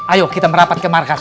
ayo kita merapat ke markas